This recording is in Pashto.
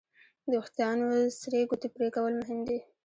د وېښتیانو سرې ګوتې پرېکول مهم دي.